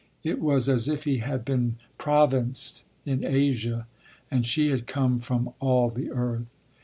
It was as if he had been provinced in Asia and she had come from all the earth.